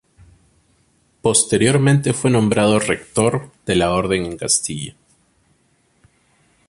Posteriormente fue nombrado rector de la orden en Castilla.